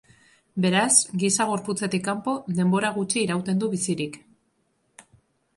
Beraz, giza gorputzetik kanpo denbora gutxi irauten du bizirik.